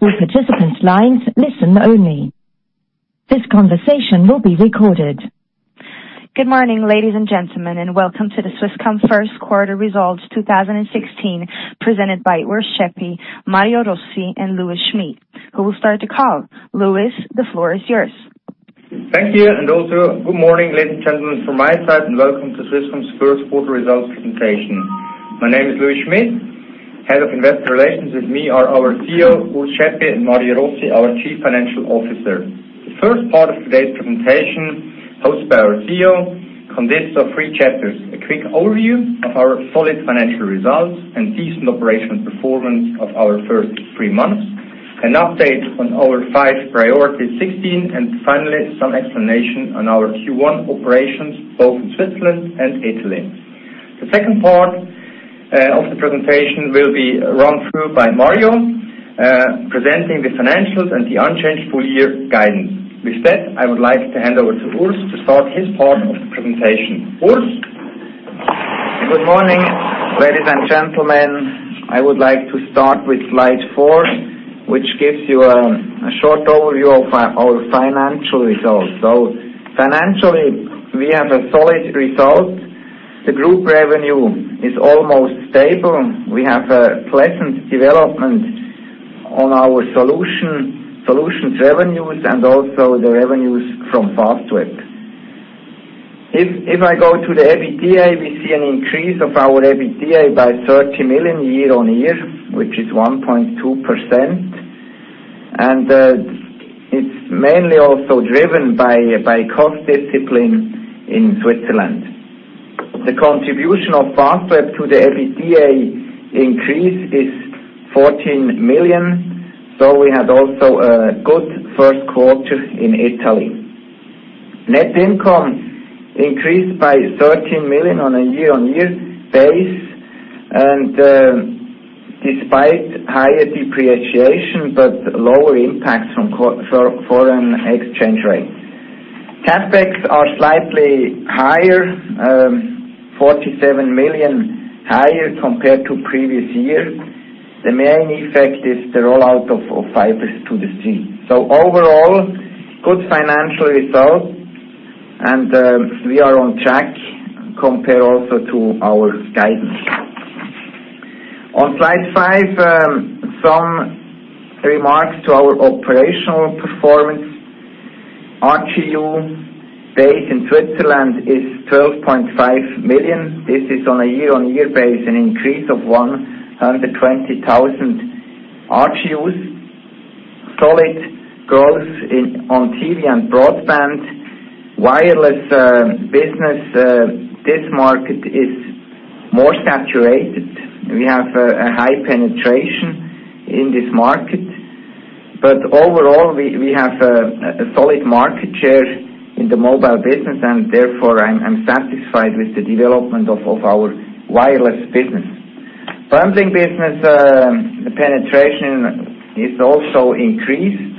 All participant lines listen only. This conversation will be recorded. Good morning, ladies and gentlemen, welcome to the Swisscom first quarter results 2016, presented by Urs Schaeppi, Mario Rossi, and Louis Schmid. Who will start the call? Louis, the floor is yours. Thank you. Also good morning, ladies and gentlemen, from my side, and welcome to Swisscom's first quarter results presentation. My name is Louis Schmid, Head of Investor Relations. With me are our CEO, Urs Schaeppi, and Mario Rossi, our Chief Financial Officer. The first part of today's presentation, hosted by our CEO, consists of 3 chapters: a quick overview of our solid financial results and decent operational performance of our first three months, an update on our 5 priorities 2016, and finally, some explanation on our Q1 operations, both in Switzerland and Italy. The second part of the presentation will be run through by Mario, presenting the financials and the unchanged full-year guidance. I would like to hand over to Urs to start his part of the presentation. Urs. Good morning, ladies and gentlemen. I would like to start with slide four, which gives you a short overview of our financial results. Financially, we have a solid result. The group revenue is almost stable. We have a pleasant development on our solutions revenues and also the revenues from Fastweb. If I go to the EBITDA, we see an increase of our EBITDA by 30 million year-on-year, which is 1.2%. It's mainly also driven by cost discipline in Switzerland. The contribution of Fastweb to the EBITDA increase is 14 million. We had also a good first quarter in Italy. Net income increased by 13 million on a year-on-year base, despite higher depreciation but lower impacts from foreign exchange rates. CapEx are slightly higher, 47 million higher compared to previous year. The main effect is the rollout of Fiber to the Street. Overall, good financial result. We are on track compared also to our guidance. On slide five, some remarks to our operational performance. RGU base in Switzerland is 12.5 million. This is on a year-over-year base an increase of 120,000 RGUs. Solid growth on TV and broadband. Wireless business, this market is more saturated. We have a high penetration in this market. Overall, we have a solid market share in the mobile business and therefore I'm satisfied with the development of our wireless business. Firming business penetration is also increased.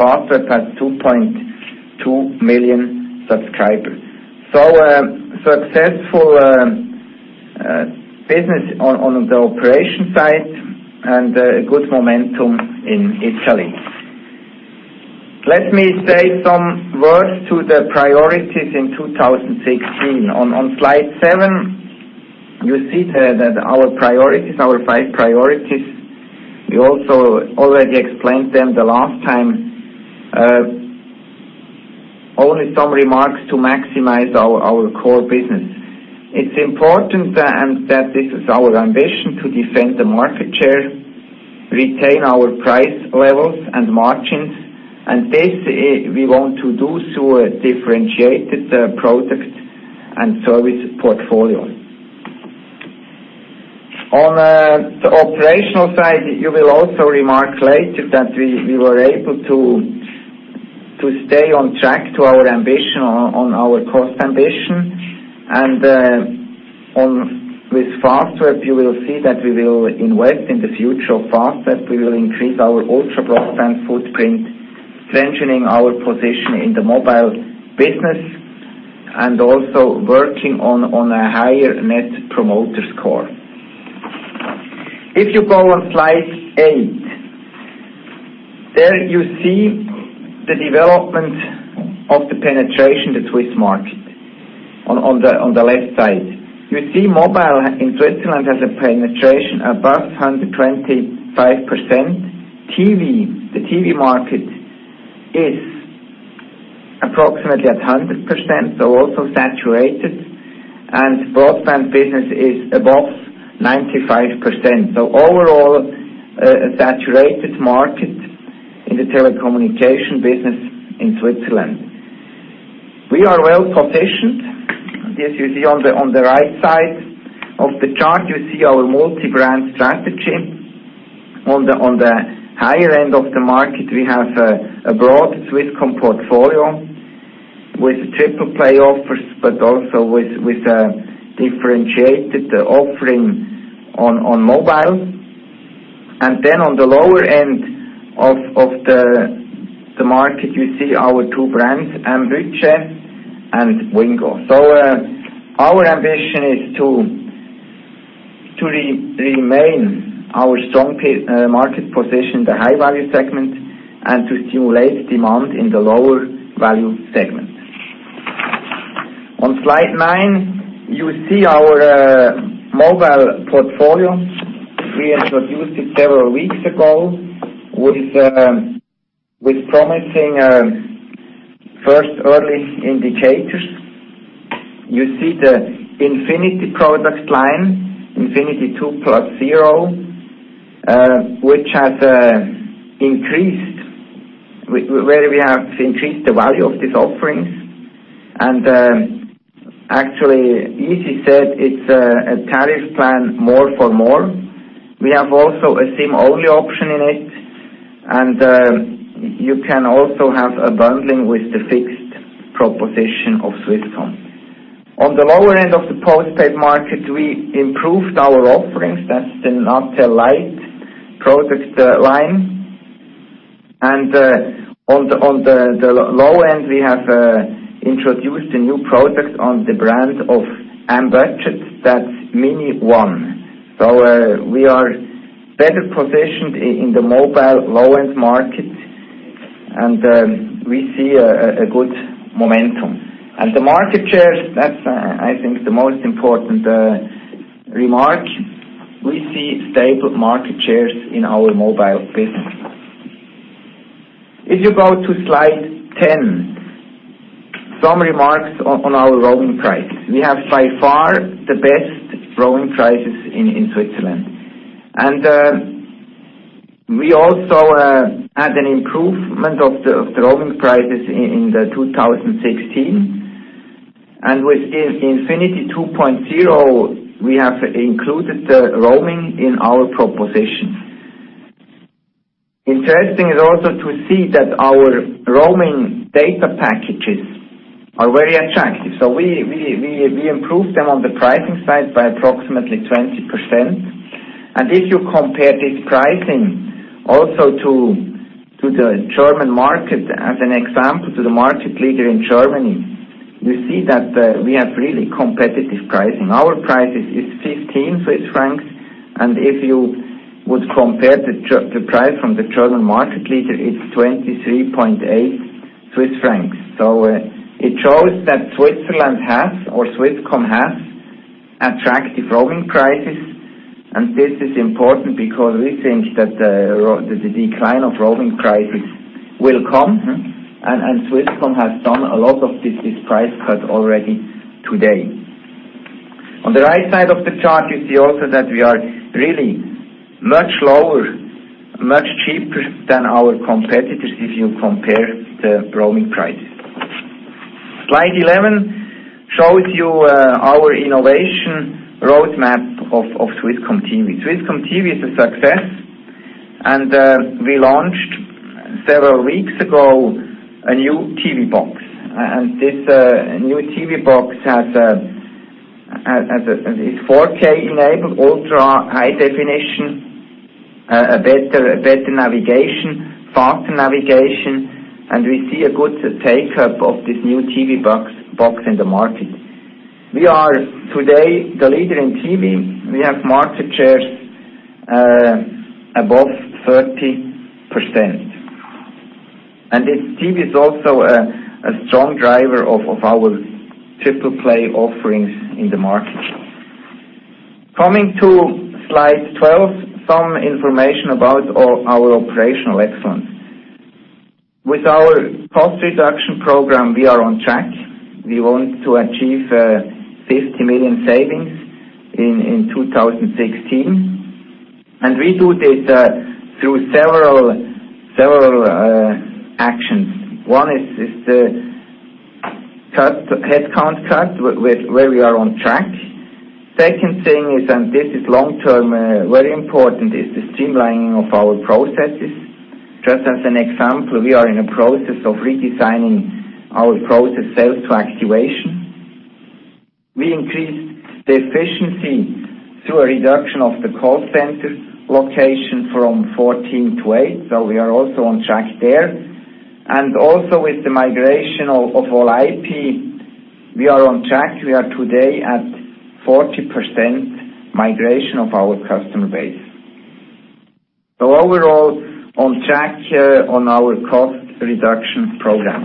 Fastweb has 2.2 million subscribers. A successful business on the operation side and a good momentum in Italy. Let me say some words to the priorities in 2016. On slide seven, you see that our five priorities. We also already explained them the last time. Only some remarks to maximize our core business. It's important, that this is our ambition, to defend the market share, retain our price levels and margins, this we want to do through a differentiated product and service portfolio. On the operational side, you will also remark later that we were able to stay on track to our ambition on our cost ambition. With Fastweb, you will see that we will invest in the future of Fastweb. We will increase our ultra-broadband footprint, strengthening our position in the mobile business and also working on a higher Net Promoter Score. If you go on slide eight. There you see the development of the penetration, the Swiss market on the left side. You see mobile in Switzerland has a penetration above 125%. The TV market is approximately at 100%, also saturated. Broadband business is above 95%. Overall, a saturated market in the telecommunications business in Switzerland. We are well-positioned. This you see on the right side of the chart, you see our multi-brand strategy. On the higher end of the market, we have a broad Swisscom portfolio with triple play offers, also with a differentiated offering on mobile. On the lower end of the market, you see our two brands, M-Budget and Wingo. Our ambition is to remain our strong market position, the high-value segment, and to stimulate demand in the lower value segment. On slide nine, you see our mobile portfolio. We introduced it several weeks ago with promising first early indicators. You see the Infinity product line, Infinity 2.0, where we have increased the value of these offerings. Actually, easy said, it's a tariff plan, more for more. We have also a SIM-only option in it, you can also have a bundling with the fixed proposition of Swisscom. On the lower end of the postpaid market, we improved our offerings. That's the NATEL light product line. On the low end, we have introduced a new product on the brand of M-Budget. That's M-Budget Mobile Mini. We are better positioned in the mobile low-end market, we see a good momentum. The market shares, that's I think the most important remark. We see stable market shares in our mobile business. If you go to slide 10. Some remarks on our roaming price. We have by far the best roaming prices in Switzerland. We also had an improvement of the roaming prices in 2016. With Infinity 2.0, we have included the roaming in our proposition. Interesting is also to see that our roaming data packages are very attractive. We improved them on the pricing side by approximately 20%. If you compare this pricing also to the German market, as an example, to the market leader in Germany, you see that we have really competitive pricing. Our price is 15 Swiss francs, and if you would compare the price from the German market leader, it's 23.8 Swiss francs. It shows that Switzerland has or Swisscom has attractive roaming prices. This is important because we think that the decline of roaming prices will come, and Swisscom has done a lot of this price cut already today. On the right side of the chart, you see also that we are really much lower, much cheaper than our competitors if you compare the roaming prices. Slide 11 shows you our innovation roadmap of Swisscom TV. Swisscom TV is a success. We launched several weeks ago a new TV box. This new TV box is 4K-enabled, ultra high definition, a better navigation, faster navigation, and we see a good take-up of this new TV box in the market. We are today the leader in TV. We have market shares above 30%. This TV is also a strong driver of our triple play offerings in the market. Coming to slide 12, some information about our operational excellence. With our cost reduction program, we are on track. We want to achieve 50 million savings in 2016. We do this through several actions. One is the headcount cut where we are on track. Second thing is, this is long-term, very important, is the streamlining of our processes. Just as an example, we are in a process of redesigning our process sales to activation. We increased the efficiency through a reduction of the call center location from 14 to eight. We are also on track there. Also with the migration of All-IP, we are on track. We are today at 40% migration of our customer base. Overall on track on our cost reduction program.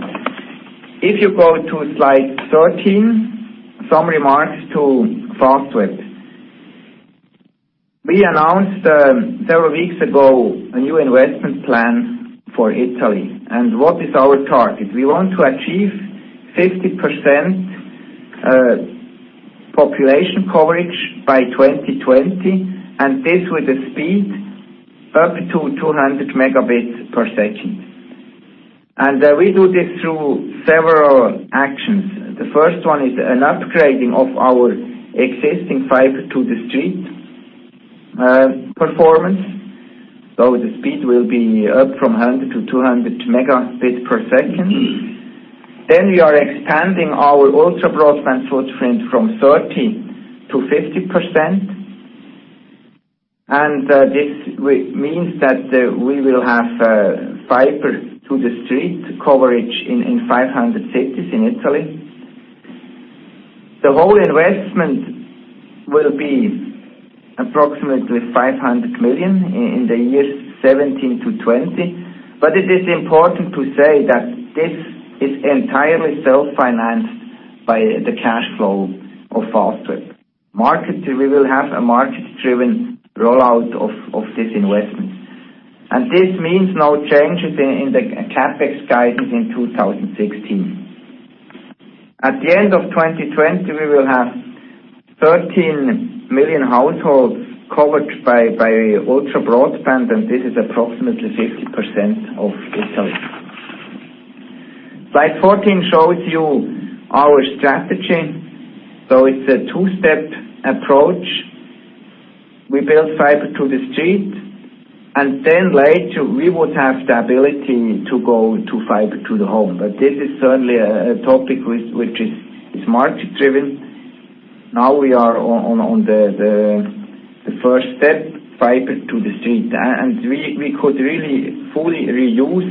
If you go to slide 13, some remarks to Fastweb. We announced several weeks ago a new investment plan for Italy. What is our target? We want to achieve 50% population coverage by 2020, this with a speed up to 200 megabits per second. We do this through several actions. The first one is an upgrading of our existing Fiber to the Street performance. The speed will be up from 100 to 200 megabits per second. We are expanding our UBB footprint from 30% to 50%. This means that we will have Fiber to the Street coverage in 500 cities in Italy. The whole investment will be approximately 500 million in the years 2017-2020. But it is important to say that this is entirely self-financed by the cash flow of Fastweb. We will have a market-driven rollout of this investment. This means no changes in the CapEx guidance in 2016. At the end of 2020, we will have 13 million households covered by UBB, this is approximately 50% of Italy. Slide 14 shows you our strategy. It's a two-step approach. We build Fiber to the Street. Later we would have the ability to go to fiber to the home. This is certainly a topic which is market-driven. Now we are on the first step, Fiber to the Street. We could really fully reuse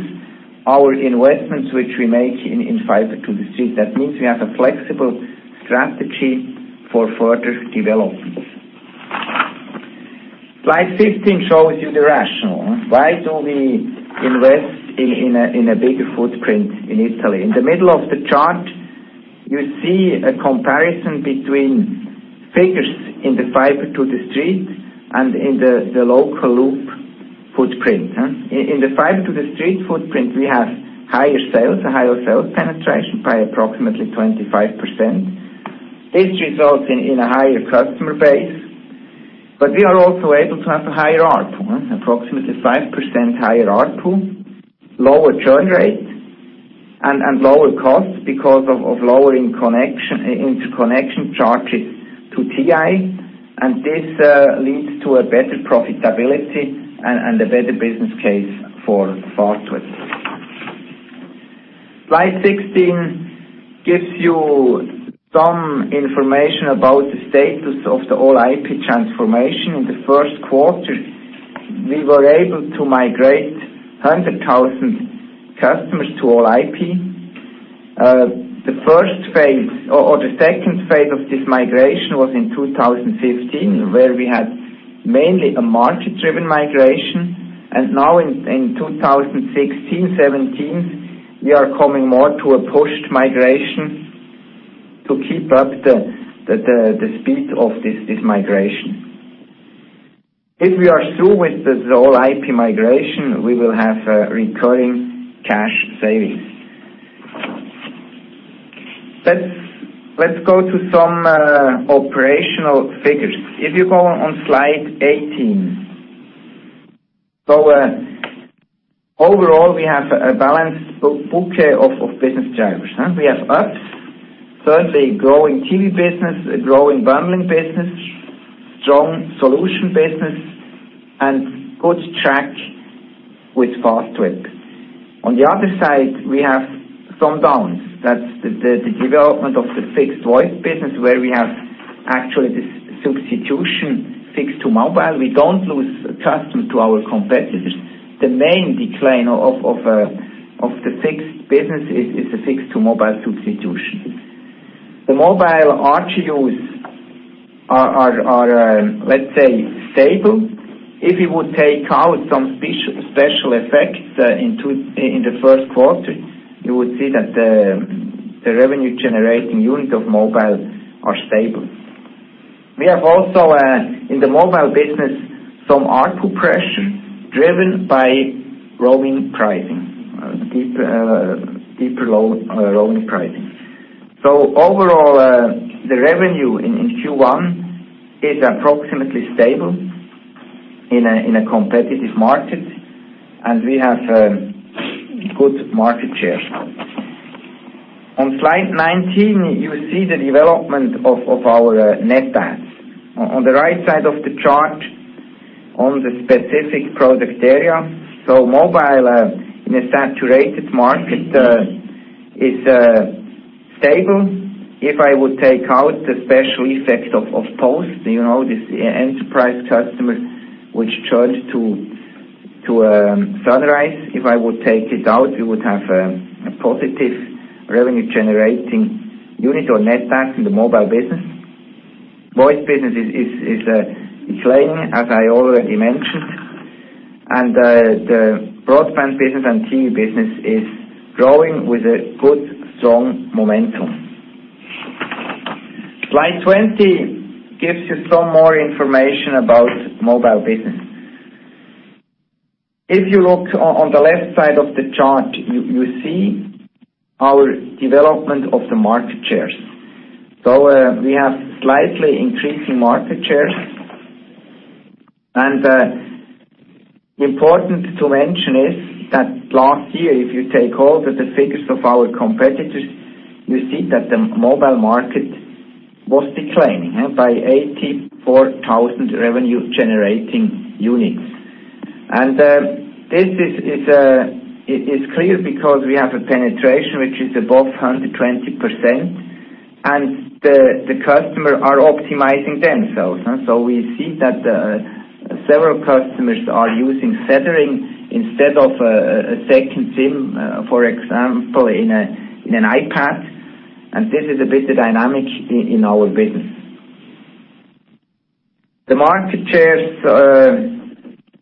our investments which we make in fiber to the street. That means we have a flexible strategy for further developments. Slide 15 shows you the rationale. Why do we invest in a bigger footprint in Italy? In the middle of the chart, you see a comparison between figures in the fiber to the street and in the local loop footprint. In the fiber to the street footprint, we have higher sales, a higher sales penetration by approximately 25%. This results in a higher customer base, but we are also able to have a higher ARPU, approximately 5% higher ARPU, lower churn rate, and lower costs because of lowering interconnection charges to TI. This leads to a better profitability and a better business case for Fastweb. Slide 16 gives you some information about the status of the All-IP transformation. In the first quarter, we were able to migrate 100,000 customers to All-IP. The second phase of this migration was in 2015, where we had mainly a market-driven migration. Now in 2016, 2017, we are coming more to a pushed migration to keep up the speed of this migration. If we are through with this All-IP migration, we will have recurring cash savings. Let's go to some operational figures. If you go on slide 18. Overall, we have a balanced bouquet of business drivers. We have ups, certainly growing TV business, a growing bundling business, strong solution business, and good track with Fastweb. On the other side, we have some downs. That's the development of the fixed voice business, where we have actually this substitution fixed to mobile. We don't lose customers to our competitors. The main decline of the fixed business is the fixed to mobile substitution. The mobile ARPU are, let's say, stable. If you would take out some special effects in the first quarter, you would see that the revenue generating unit of mobile are stable. We have also, in the mobile business, some ARPU pressure driven by roaming pricing, deeper roaming pricing. Overall, the revenue in Q1 is approximately stable in a competitive market, and we have good market share. On slide 19, you see the development of our net adds. On the right side of the chart on the specific product area. Mobile in a saturated market is stable. If I would take out the special effect of Post, this enterprise customer which churned to Sunrise. If I would take it out, we would have a positive revenue generating unit or net adds in the mobile business. Voice business is declining, as I already mentioned. The broadband business and TV business is growing with a good, strong momentum. Slide 20 gives you some more information about mobile business. If you look on the left side of the chart, you see our development of the market shares. We have slightly increasing market shares. Important to mention is that last year, if you take all the figures of our competitors, you see that the mobile market was declining by 84,000 revenue generating units. This is clear because we have a penetration which is above 120%, and the customer are optimizing themselves. We see that several customers are using tethering instead of a second SIM, for example, in an iPad. This is a bit dynamic in our business. The market shares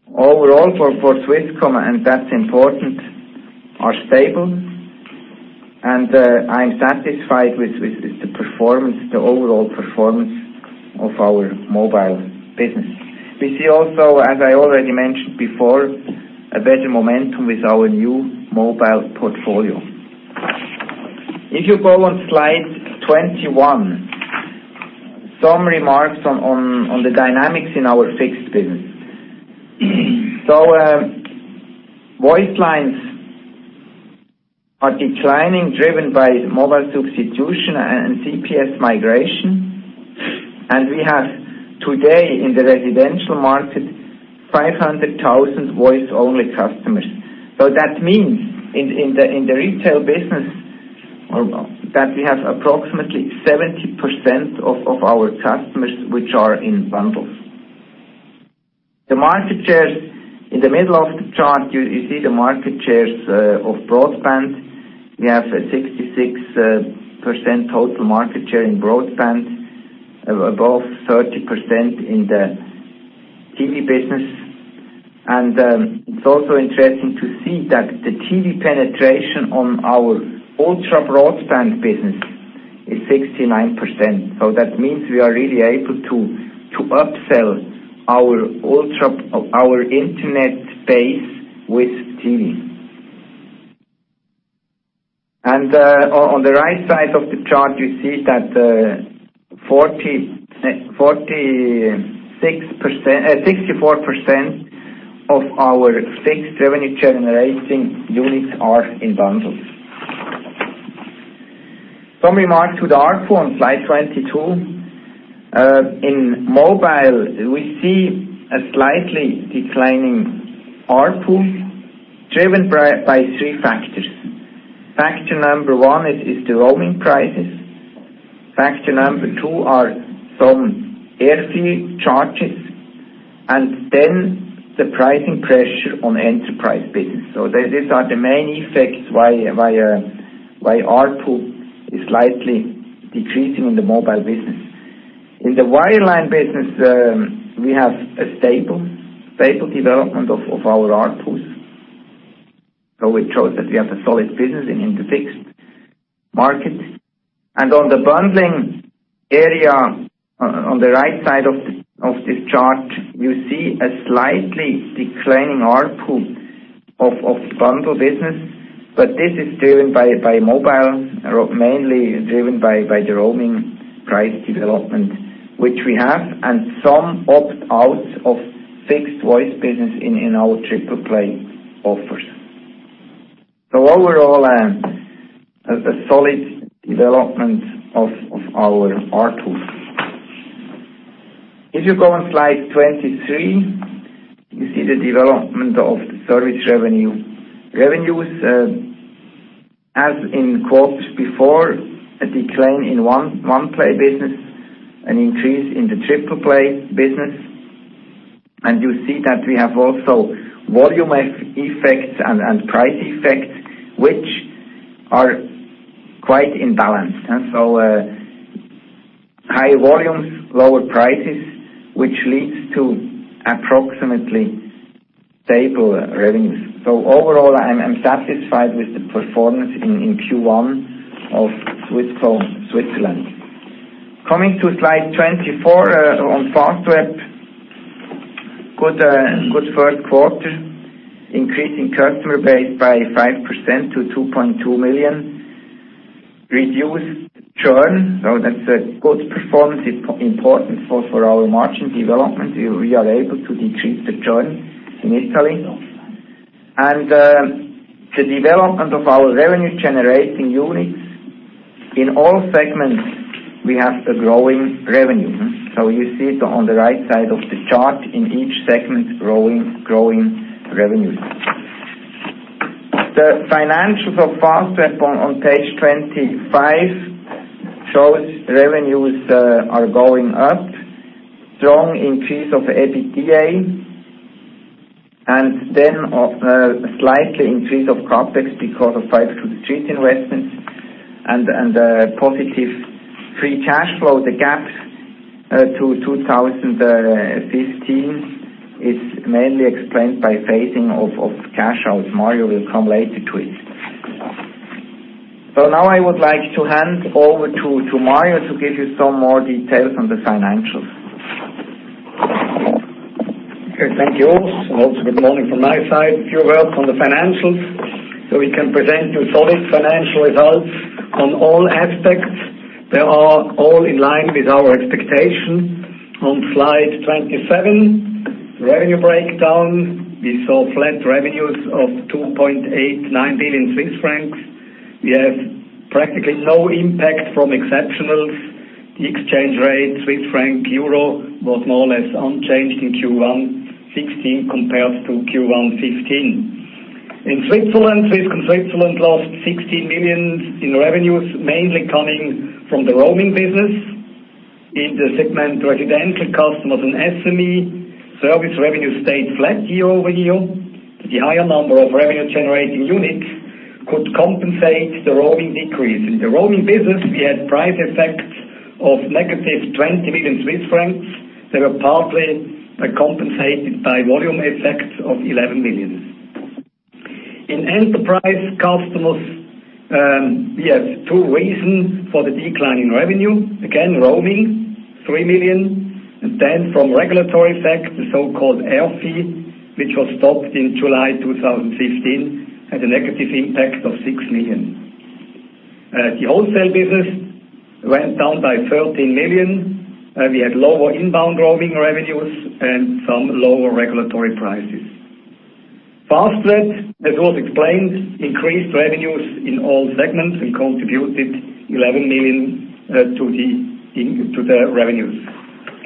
overall for Swisscom, and that's important, are stable, and I'm satisfied with the overall performance of our mobile business. We see also, as I already mentioned before, a better momentum with our new mobile portfolio. If you go on slide 21, some remarks on the dynamics in our fixed business. Voice lines are declining, driven by mobile substitution and CPS migration. We have today in the residential market, 500,000 voice-only customers. That means in the retail business that we have approximately 70% of our customers which are in bundles. The market shares. In the middle of the chart, you see the market shares of broadband. We have 66% total market share in broadband, above 30% in the TV business. It's also interesting to see that the TV penetration on our ultra-broadband business is 69%. That means we are really able to upsell our internet base with TV. On the right side of the chart, you see that 64% of our fixed revenue-generating units are in bundles. Some remarks to the ARPU on slide 22. In mobile, we see a slightly declining ARPU driven by three factors. Factor number 1 is the roaming prices. Factor number 2 are some airtime fee charges, the pricing pressure on enterprise business. These are the main effects why ARPU is slightly decreasing in the mobile business. In the wireline business, we have a stable development of our ARPUs. It shows that we have a solid business in the fixed market. On the bundling area, on the right side of this chart, you see a slightly declining ARPU of the bundle business. This is driven by mobile, mainly driven by the roaming price development, which we have, and some opt-outs of fixed voice business in our triple-play offers. Overall, a solid development of our ARPU. If you go on slide 23, you see the development of the service revenues. As in quotes before, a decline in one pay business, an increase in the triple-play business. You see that we have also volume effects and price effects, which are quite imbalanced. High volumes, lower prices, which leads to approximately stable revenues. Overall, I'm satisfied with the performance in Q1 of Swisscom, Switzerland. Coming to slide 24 on Fastweb. Good first quarter. Increasing customer base by 5% to 2.2 million. Reduced churn. That's a good performance, important for our margin development. We are able to decrease the churn in Italy. The development of our revenue-generating units. In all segments, we have a growing revenue. You see it on the right side of the chart in each segment, growing revenues. The financials of Fastweb on page 25 shows revenues are going up. Strong increase of EBITDA, a slight increase of CapEx because of Fiber to the Street investments and a positive free cash flow. The gaps to 2015 is mainly explained by phasing of cash outs. Mario will come later to it. Now I would like to hand over to Mario to give you some more details on the financials. Okay. Thank you, Urs. And also good morning from my side. A few words on the financials. We can present you solid financial results on all aspects. They are all in line with our expectation. On slide 27, revenue breakdown. We saw flat revenues of 2.89 billion Swiss francs. We have practically no impact from exceptionals. The exchange rate CHF/EUR was more or less unchanged in Q1 2016 compared to Q1 2015. In Switzerland, Swisscom Switzerland lost 60 million in revenues, mainly coming from the roaming business. In the segment, residential customers and SME service revenue stayed flat year-over-year. The higher number of revenue-generating units could compensate the roaming decrease. In the roaming business, we had price effects of negative 20 million Swiss francs. They were partly compensated by volume effects of 11 million. In enterprise customers, we have two reasons for the decline in revenue. Again, roaming, 3 million. From regulatory effect, the so-called airtime fee, which was stopped in July 2015, had a negative impact of 6 million. The wholesale business went down by 13 million. We had lower inbound roaming revenues and some lower regulatory prices. Fastweb, as was explained, increased revenues in all segments and contributed 11 million to the revenues.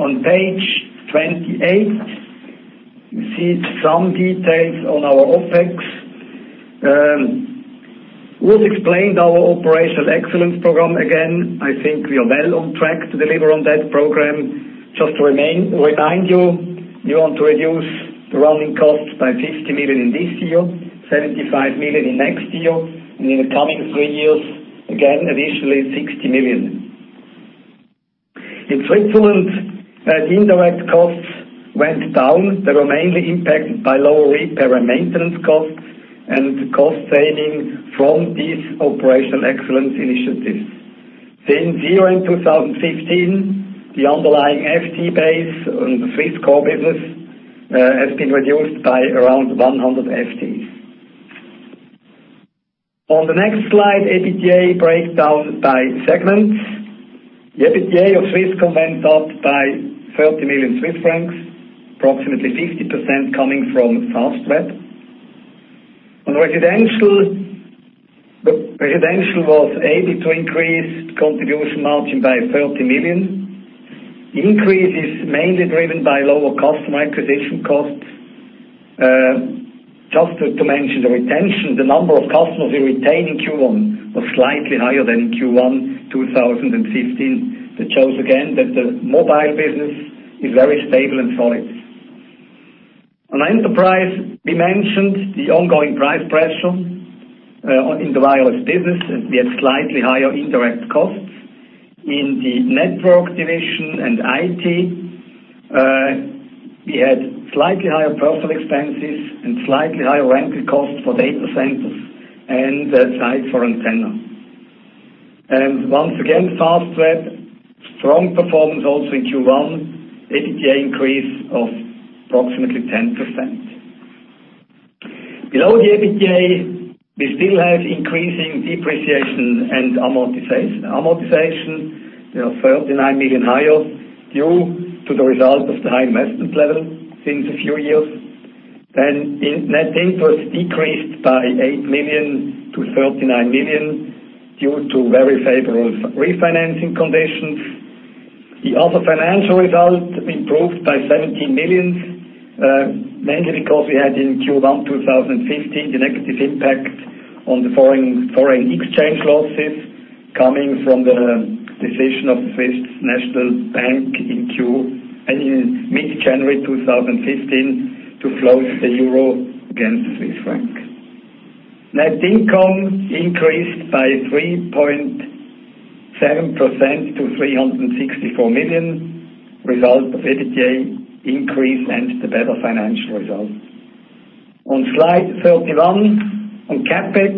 On page 28, you see some details on our OpEx. Was explained our operational excellence program again. I think we are well on track to deliver on that program. Just to remind you, we want to reduce the running costs by 50 million in this year, 75 million in next year, and in the coming three years, again, additionally, 60 million. In Switzerland, the indirect costs went down. They were mainly impacted by lower repair and maintenance costs and cost saving from these operational excellence initiatives. Since year-end 2015, the underlying FTEs base in the Swiss core business has been reduced by around 100 FTEs. On the next slide, EBITDA breakdown by segments. The EBITDA of Swisscom went up by 30 million Swiss francs, approximately 50% coming from Fastweb. Residential was able to increase contribution margin by 30 million. Increase is mainly driven by lower customer acquisition costs. Just to mention the retention, the number of customers we retained in Q1 was slightly higher than in Q1 2015. That shows again that the mobile business is very stable and solid. On enterprise, we mentioned the ongoing price pressure in the wireless business, and we had slightly higher indirect costs. In the network division and IT, we had slightly higher personal expenses and slightly higher rental costs for data centers and site for antenna. Once again, Fastweb, strong performance also in Q1. EBITDA increase of approximately 10%. Below the EBITDA, we still have increasing depreciation and amortization. 39 million higher due to the result of the high investment level since a few years. Net interest decreased by 8 million to 39 million due to very favorable refinancing conditions. The other financial result improved by 17 million, mainly because we had in Q1 2015 the negative impact on the foreign exchange losses coming from the decision of the Swiss National Bank in mid-January 2015 to float the EUR against the CHF. Net income increased by 3.7% to 364 million, result of EBITDA increase and the better financial result. On slide 31, on CapEx.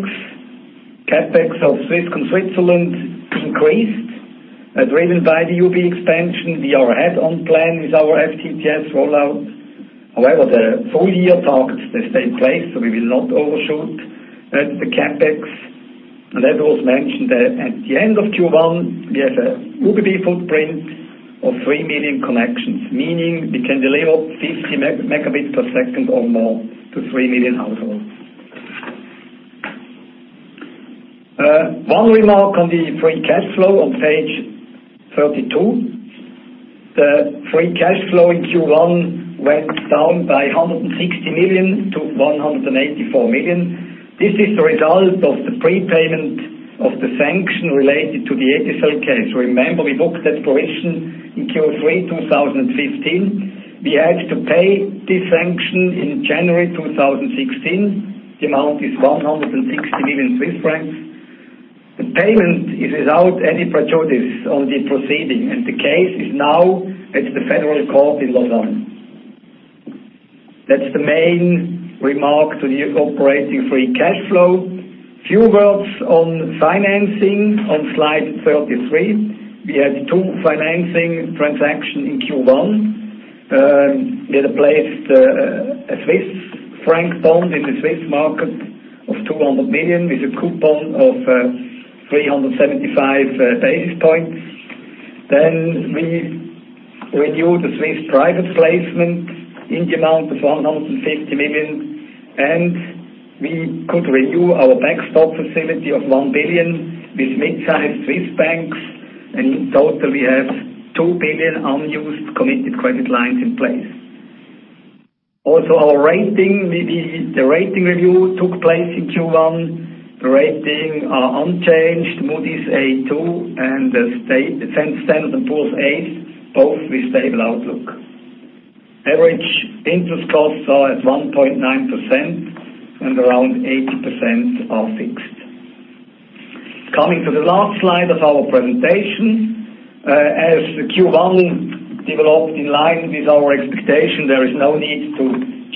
CapEx of Swisscom Switzerland increased as driven by the UBB expansion. We are ahead on plan with our FTTS rollout. However, the full-year targets, they stay in place, we will not overshoot the CapEx. That was mentioned at the end of Q1, we have a UBB footprint of 3 million connections, meaning we can deliver 50 megabits per second or more to 3 million households. One remark on the free cash flow on page 32. The free cash flow in Q1 went down by 160 million to 184 million. This is the result of the prepayment of the sanction related to the HCL case. Remember, we booked that provision in Q3 2015. We had to pay this sanction in January 2016. The amount is 160 million Swiss francs. The payment is without any prejudice on the proceeding, and the case is now at the federal court in Lausanne. That's the main remark to the operating free cash flow. Few words on financing on slide 33. We had two financing transaction in Q1. We had placed a Swiss franc bond in the Swiss market of 200 million with a coupon of 375 basis points. We renew the Swiss private placement in the amount of 150 million, and we could renew our backstop facility of 1 billion with mid-sized Swiss banks. In total, we have 2 billion unused committed credit lines in place. Our rating. The rating review took place in Q1. The rating unchanged, Moody's A2 and Standard & Poor's A, both with stable outlook. Average interest costs are at 1.9% and around 80% are fixed. Coming to the last slide of our presentation. As Q1 developed in line with our expectation, there is no need to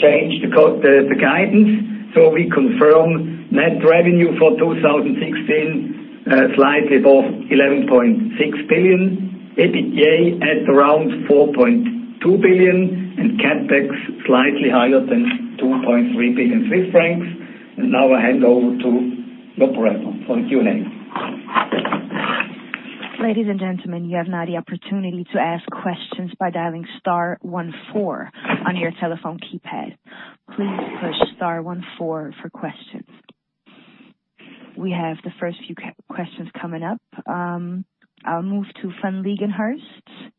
change the guidance. We confirm net revenue for 2016 slightly above 11.6 billion, EBITDA at around 4.2 billion, and CapEx slightly higher than 2.3 billion Swiss francs. I hand over to Lorenzo for the Q&A. Ladies and gentlemen, you have now the opportunity to ask questions by dialing *14 on your telephone keypad. Please push *14 for questions. We have the first few questions coming up. I'll move to Van Lingenhurst.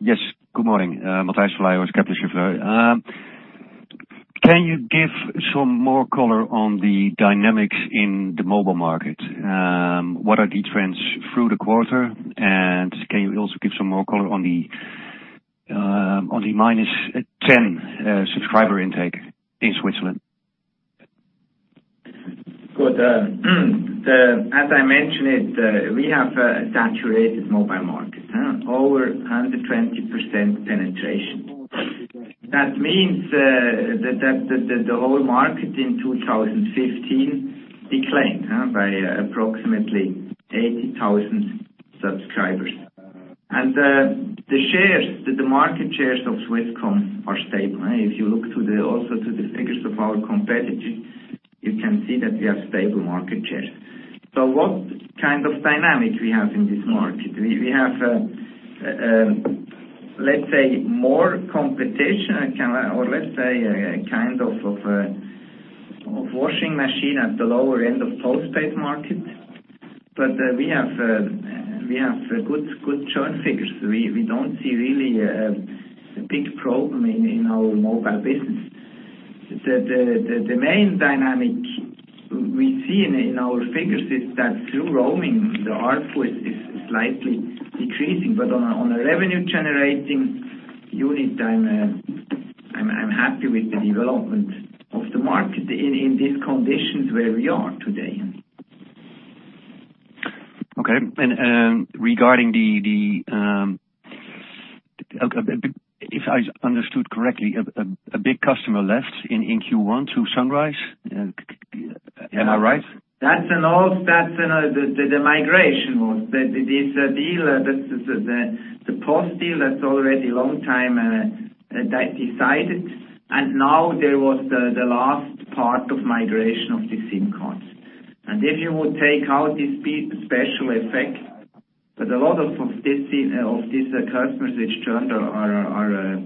Yes, good morning. Matthias with Kepler Cheuvreux. Can you give some more color on the dynamics in the mobile market? What are the trends through the quarter, and can you also give some more color on the minus 10 subscriber intake in Switzerland? Good. As I mentioned it, we have a saturated mobile market. Over 120% penetration. That means that the whole market in 2015 declined by approximately 80,000 subscribers. The market shares of Swisscom are stable. If you look also to the figures of our competitors, you can see that we have stable market share. What kind of dynamic we have in this market? We have, let's say, more competition or let's say a kind of a washing machine at the lower end of postpaid market. We have good churn figures. We don't see really a big problem in our mobile business. The main dynamic we see in our figures is that through roaming, the ARPU is slightly decreasing. On a revenue-generating unit, I'm happy with the development of the market in these conditions where we are today. Okay. If I understood correctly, a big customer left in Q1 to Sunrise. Am I right? The migration was. It is a deal, the Post deal that's already long time decided, and now there was the last part of migration of the SIM cards. If you would take out this special effect, a lot of these customers which churned are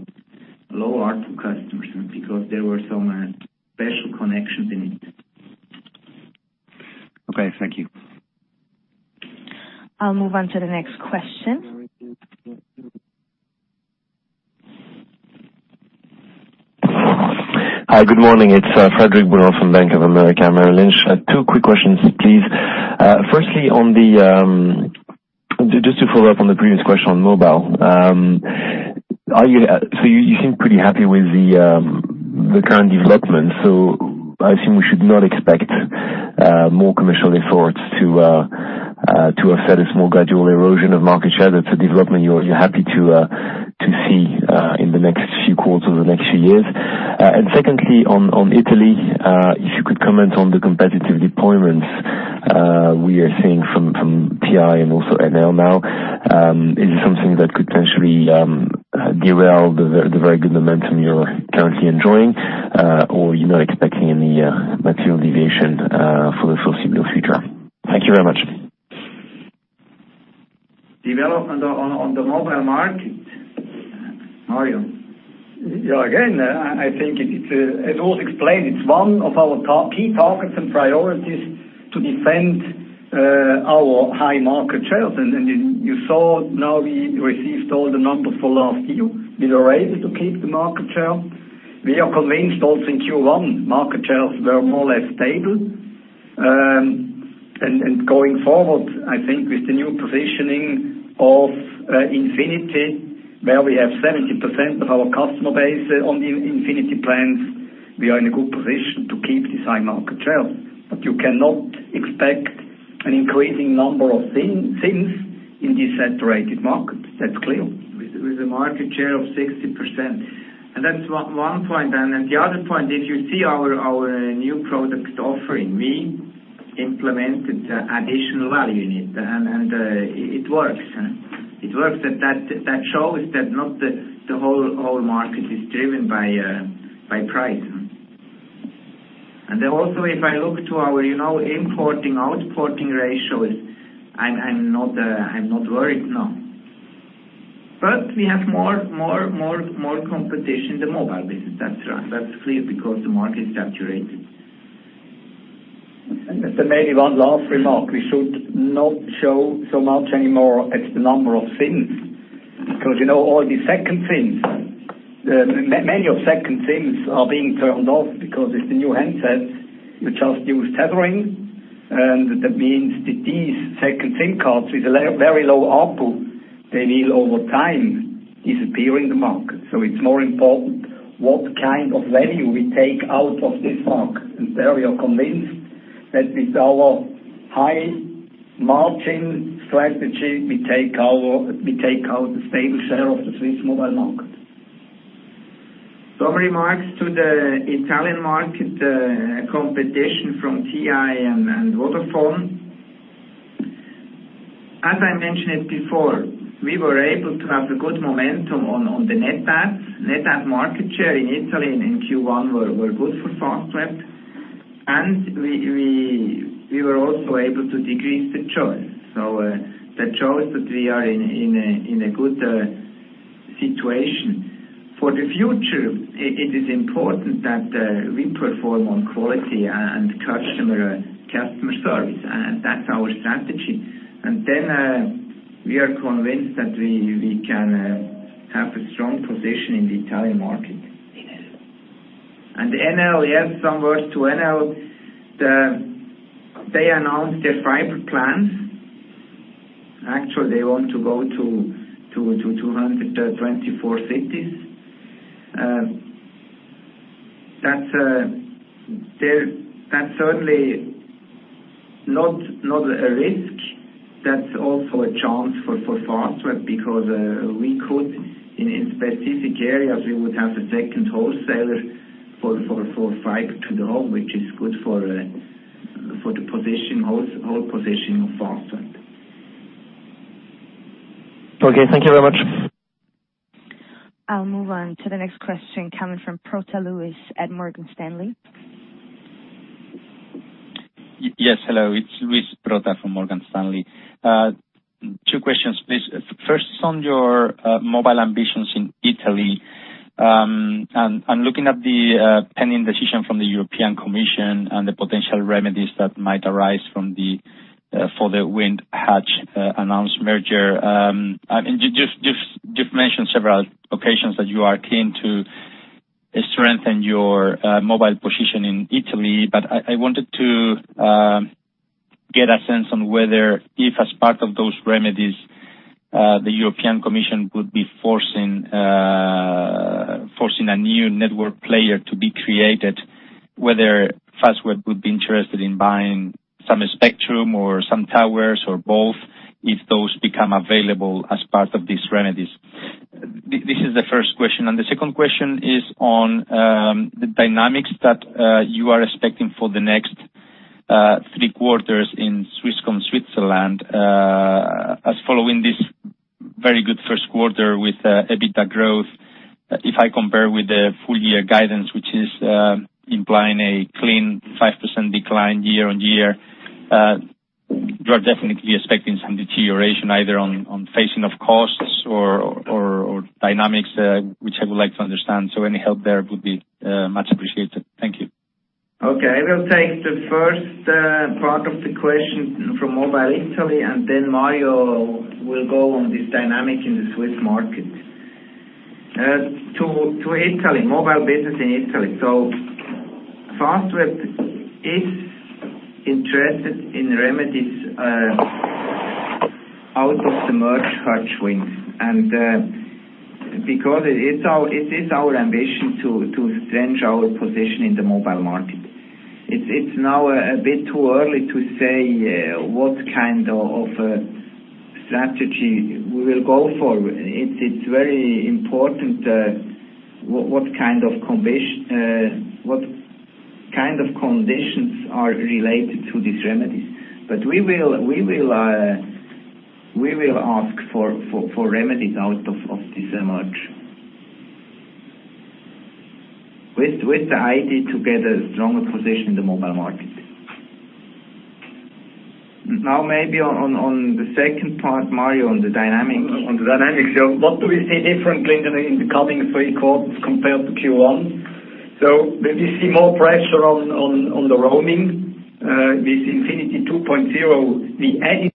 low ARPU customers because there were some special connections in it. Okay, thank you. I'll move on to the next question. Hi, good morning. It's Frederic Boulan from Bank of America, Merrill Lynch. Two quick questions, please. Firstly, just to follow up on the previous question on mobile. You seem pretty happy with the current development. I assume we should not expect more commercial efforts to offset a small gradual erosion of market share. That's a development you're happy to see in the next few quarters or the next few years? Secondly, on Italy, if you could comment on the competitive deployments we are seeing from TI and also Enel now. Is it something that could potentially derail the very good momentum you're currently enjoying? Or you're not expecting any material deviation for the foreseeable future? Thank you very much. Development on the mobile market. Mario? Yeah, again, I think it's as was explained, it's one of our key targets and priorities to defend our high market shares. You saw now we received all the numbers for last year. We were able to keep the market share. We are convinced also in Q1, market shares were more or less stable. Going forward, I think with the new positioning of Infinity, where we have 70% of our customer base on the Infinity plans, we are in a good position to keep this high market share. You cannot expect an increasing number of SIMs in this saturated market. That's clear. With a market share of 60%. That's one point. The other point, if you see our new product offering, we implemented additional value in it, and it works. It works, that shows that not the whole market is driven by price. Also, if I look to our importing-exporting ratios, I'm not worried, no. We have more competition in the mobile business. That's right. That's clear because the market is saturated. Maybe one last remark. We should not show so much anymore. It's the number of SIMs, because all these second SIMs, many of second SIMs are being turned off because with the new handsets, we just use tethering, that means that these second SIM cards with a very low output, they will, over time, disappear in the market. It's more important what kind of value we take out of this market. There we are convinced that with our high margin strategy, we take out the stable share of the Swiss mobile market. Some remarks to the Italian market competition from TI and Vodafone. As I mentioned it before, we were able to have a good momentum on the net adds. Net add market share in Italy and in Q1 were good for Fastweb, we were also able to decrease the churn. The churn that we are in a good situation. For the future, it is important that we perform on quality and customer service. That's our strategy. Then we are convinced that we can have a strong position in the Italian market. The Enel, yes, some words to Enel. They announced their fiber plans. Actually, they want to go to 224 cities. That's certainly not a risk. That's also a chance for Fastweb because we could, in specific areas, we would have a second wholesaler for fiber to the home, which is good for the whole position of Fastweb. Okay. Thank you very much. I'll move on to the next question coming from Luis Prota at Morgan Stanley. Yes. Hello. It's Luis Prota from Morgan Stanley. Two questions, please. First, on your mobile ambitions in Italy. I'm looking at the pending decision from the European Commission and the potential remedies that might arise for the WIND-H3G announced merger. You've mentioned several occasions that you are keen to strengthen your mobile position in Italy, but I wanted to get a sense on whether if, as part of those remedies, the European Commission would be forcing a new network player to be created, whether Fastweb would be interested in buying some spectrum or some towers or both if those become available as part of these remedies. This is the first question. The second question is on the dynamics that you are expecting for the next three quarters in Swisscom Switzerland as following this very good first quarter with EBITDA growth. If I compare with the full-year guidance, which is implying a clean 5% decline year-on-year, you are definitely expecting some deterioration either on phasing of costs or dynamics, which I would like to understand. Any help there would be much appreciated. Thank you. Okay. I will take the first part of the question from Mobile Italy. Then Mario will go on this dynamic in the Swiss market. To Italy, mobile business in Italy. Fastweb is interested in remedies out of the merger H3G-WIND. Because it is our ambition to strengthen our position in the mobile market. It is now a bit too early to say what kind of strategy we will go for. It is very important what kind of conditions are related to these remedies. We will ask for remedies out of this merger. With the idea to get a stronger position in the mobile market. Maybe on the second part, Mario, on the dynamics. On the dynamics. What do we see differently in the coming three quarters compared to Q1? We see more pressure on the roaming. This Infinity 2.0.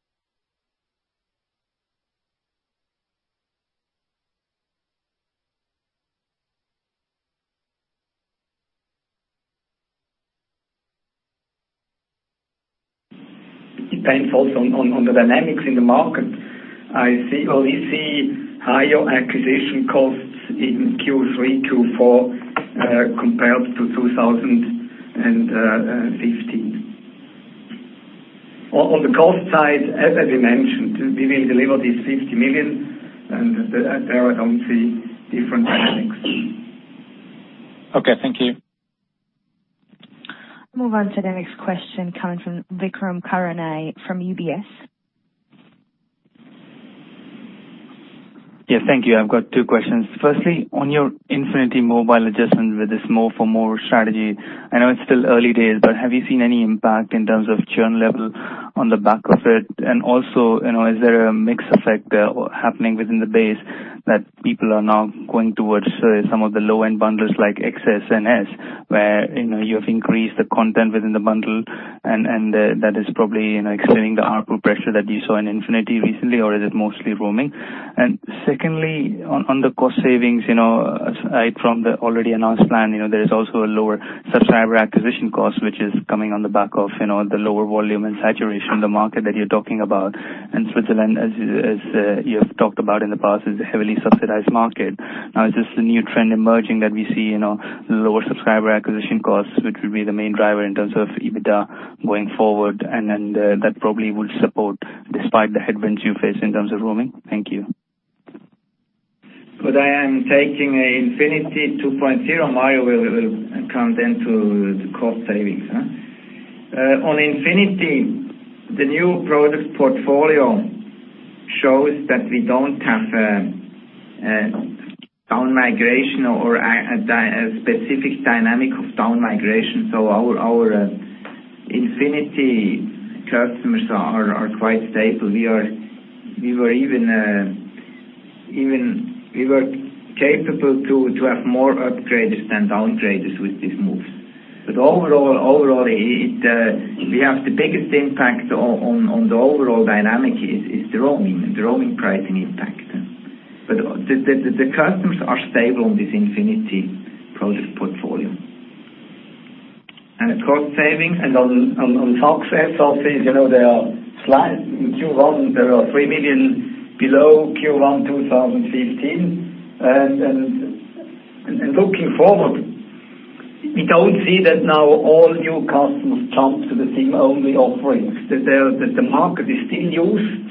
Depends also on the dynamics in the market. We see higher acquisition costs in Q3 to four compared to 2015. On the cost side, as I mentioned, we will deliver these 60 million. There I don't see different dynamics. Okay. Thank you. Move on to the next question coming from Vikram Karnani from UBS. Yes, thank you. I've got two questions. Firstly, on your Infinity mobile adjustment with this more for more strategy, I know it's still early days, but have you seen any impact in terms of churn level on the back of it? Also, is there a mix effect there happening within the base that people are now going towards some of the low-end bundles like XS and S, where you have increased the content within the bundle, and that is probably explaining the ARPU pressure that you saw in Infinity recently, or is it mostly roaming? Secondly, on the cost savings, aside from the already announced plan, there is also a lower subscriber acquisition cost, which is coming on the back of the lower volume and saturation in the market that you're talking about. Switzerland, as you have talked about in the past, is a heavily subsidized market. Is this a new trend emerging that we see, lower subscriber acquisition costs, which will be the main driver in terms of EBITDA going forward, and then that probably will support despite the headwinds you face in terms of roaming? Thank you. Good. I am taking Infinity 2.0. Mario will come then to the cost savings. On Infinity, the new product portfolio shows that we don't have a down migration or a specific dynamic of down migration. Our Infinity customers are quite stable. We were capable to have more upgraders than downgraders with these moves. Overall, we have the biggest impact on the overall dynamic is the roaming pricing impact. The customers are stable on this Infinity product portfolio. Cost savings and on OpEx, there are slide in Q1, there are 3 million below Q1 2015. Looking forward, we don't see that now all new customers jump to the SIM-only offerings. The market is still used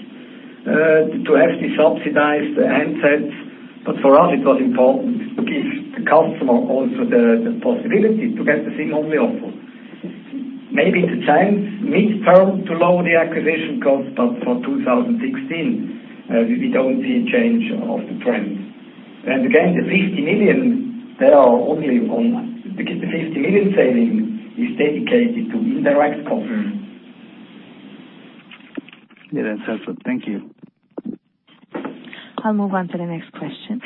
to have the subsidized handsets. For us, it was important to give the customer also the possibility to get the SIM-only offer. Maybe it's a chance midterm to lower the acquisition cost. For 2016, we don't see a change of the trend. Again, the 50 million saving is dedicated to indirect costs. Yeah, that's helpful. Thank you. I'll move on to the next question.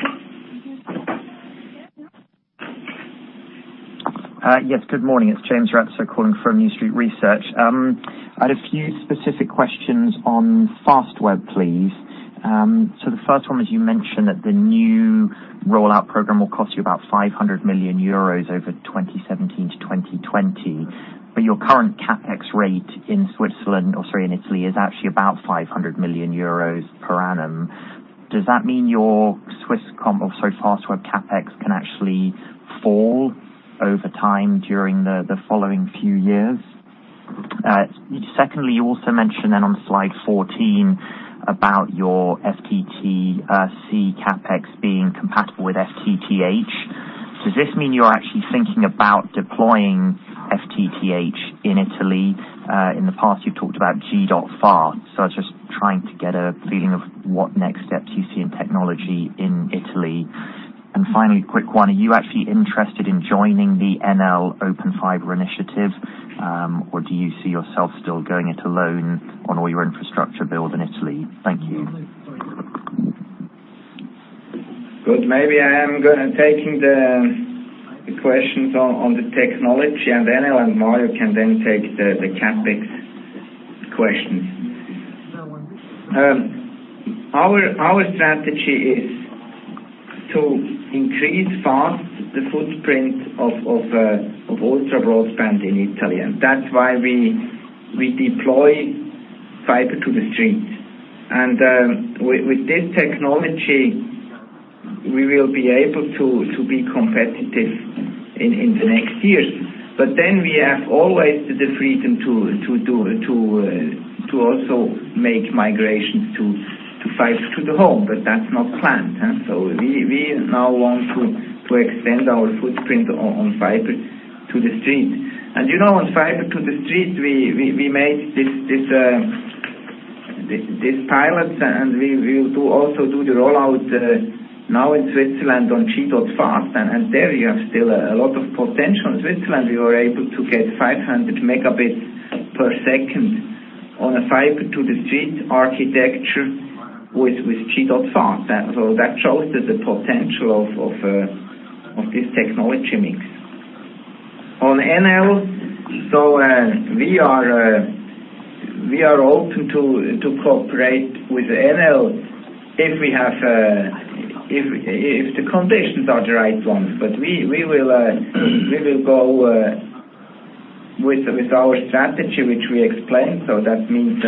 Yes. Good morning. It's James Ratzer calling from New Street Research. I had a few specific questions on Fastweb, please. The first one was you mentioned that the new rollout program will cost you about 500 million euros over 2017 to 2020. Your current CapEx rate in Switzerland, or, sorry, in Italy, is actually about 500 million euros per annum. Does that mean your Swisscom, or sorry, Fastweb CapEx, can actually fall over time during the following few years? Secondly, you also mentioned on slide 14 about your FTTC CapEx being compatible with FTTH. Does this mean you're actually thinking about deploying FTTH in Italy? In the past, you've talked about G.fast. I was just trying to get a feeling of what next steps you see in technology in Italy. Finally, quick one. Are you actually interested in joining the Enel Open Fiber initiative? Do you see yourself still going it alone on all your infrastructure build in Italy? Thank you. Good. Maybe I am going to take the questions on the technology. Enel and Mario can then take the CapEx questions. Our strategy is to increase fast the footprint of ultra broadband in Italy. That's why we deploy Fiber to the Street. With this technology, we will be able to be competitive in the next years. We have always the freedom to also make migration to fiber to the home, but that's not planned. We now want to extend our footprint on Fiber to the Street. On Fiber to the Street, we made these pilots, and we will also do the rollout now in Switzerland on G.fast. There you have still a lot of potential. In Switzerland, we were able to get 500 megabits per second on a Fiber to the Street architecture with G.fast. That shows the potential of this technology mix. On Enel, we are open to cooperate with Enel if the conditions are the right ones. We will go with our strategy, which we explained. That means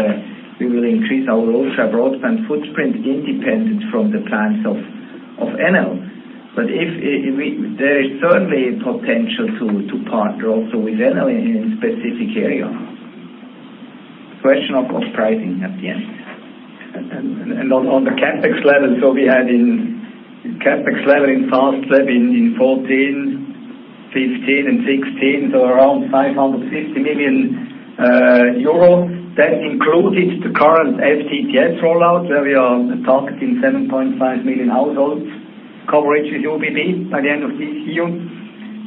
we will increase our ultra broadband footprint independent from the plans of Enel. There is certainly a potential to partner also with Enel in a specific area. Question of pricing at the end. On the CapEx level. We had in CapEx level in Fastweb in 2014, 2015, and 2016. Around 550 million euros. That included the current FTTS rollout, where we are targeting 7.5 million households coverage with UBB by the end of this year.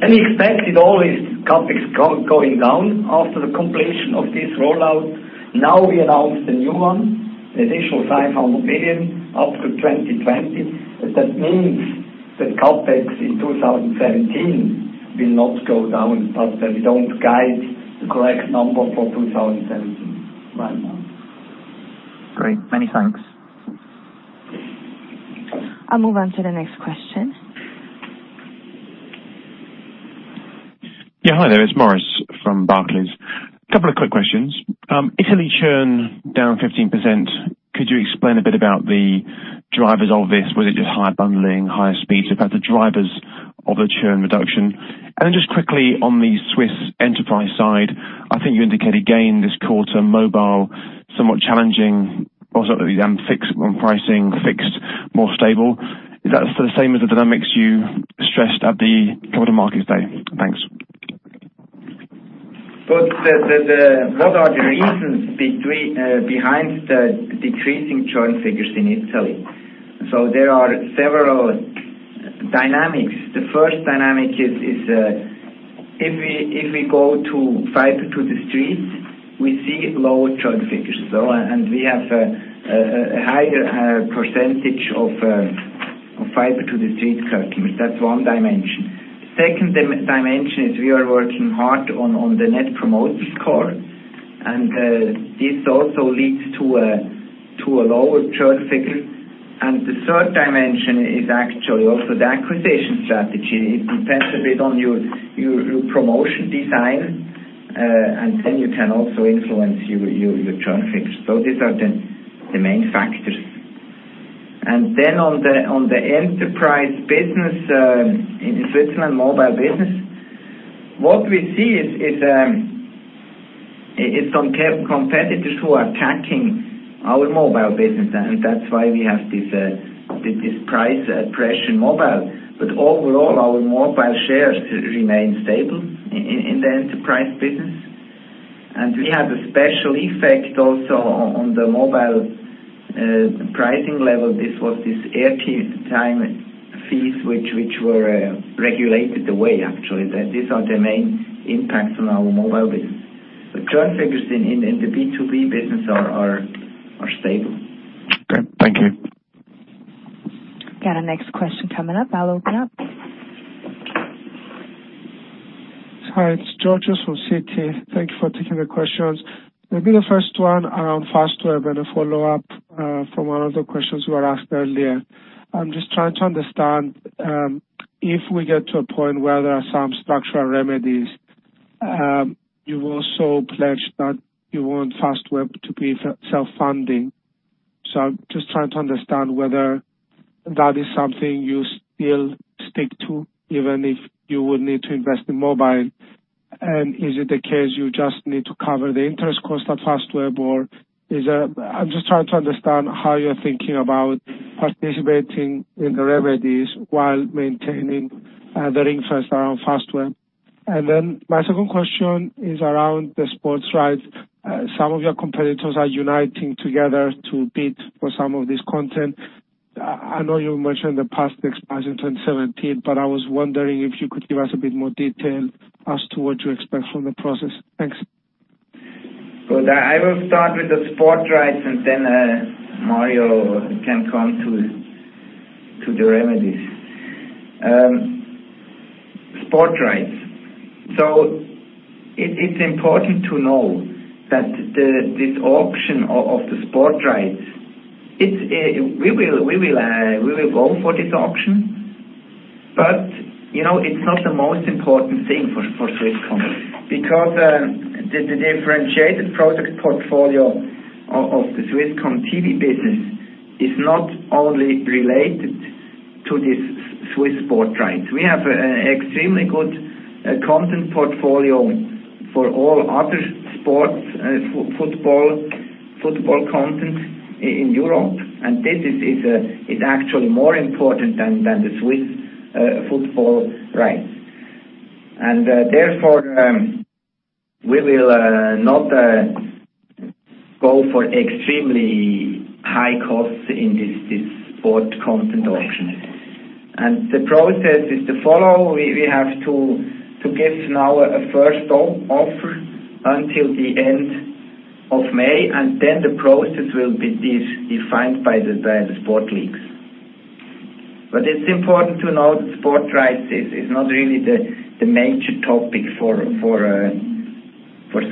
Expected all this CapEx going down after the completion of this rollout. Now we announce the new one, additional 500 million up to 2020. That means that CapEx in 2017 will not go down, but we don't guide the correct number for 2017 right now. Great. Many thanks. I'll move on to the next question. Hi there. It's Maurice from Barclays. Couple of quick questions. Italy churn down 15%. Could you explain a bit about the drivers of this? Was it just higher bundling, higher speeds? About the drivers of the churn reduction. Just quickly on the Swiss enterprise side, I think you indicated again this quarter mobile, somewhat challenging. The fixed on pricing, fixed more stable. Is that the same as the dynamics you stressed at the Capital Markets Day? Thanks. What are the reasons behind the decreasing churn figures in Italy? There are several dynamics. The first dynamic is if we go to Fiber to the Street, we see lower churn figures. We have a higher percentage of Fiber to the Street customers. That's one dimension. Second dimension is we are working hard on the Net Promoter Score, this also leads to a lower churn figure. The third dimension is actually also the acquisition strategy. It depends a bit on your promotion design, you can also influence your churn figures. These are the main factors. On the enterprise business in Switzerland mobile business, what we see is some competitors who are attacking our mobile business, that's why we have this price pressure in mobile. Overall, our mobile shares remain stable in the enterprise business. We have a special effect also on the mobile pricing level. This was this airtime fees, which were regulated away actually. These are the main impacts on our mobile business. The churn figures in the B2B business are stable. Okay. Thank you. Got our next question coming up. I'll open up. Hi, it's Georges from Citi. Thank you for taking the questions. Maybe the first one around Fastweb and a follow-up from one of the questions you were asked earlier. I'm just trying to understand, if we get to a point where there are some structural remedies, you also pledged that you want Fastweb to be self-funding. I'm just trying to understand whether that is something you still stick to, even if you would need to invest in mobile. Is it the case you just need to cover the interest cost of Fastweb? I'm just trying to understand how you're thinking about participating in the remedies while maintaining the ring-fence around Fastweb. Then my second question is around the sports rights. Some of your competitors are uniting together to bid for some of this content. I know you mentioned the past expires in 2017, I was wondering if you could give us a bit more detail as to what you expect from the process. Thanks. Good. I will start with the sport rights, Mario can come to the remedies. Sport rights. It's important to know that this auction of the sport rights, we will go for this auction. It's not the most important thing for Swisscom. The differentiated product portfolio of the Swisscom TV business is not only related to this Swiss sport rights. We have extremely good content portfolio for all other sports, football content in Europe. This is actually more important than the Swiss football rights. Therefore, we will not go for extremely high costs in this sport content auction. The process is to follow. We have to give now a first offer until the end of May, the process will be defined by the sport leagues. It's important to know that sport rights is not really the major topic for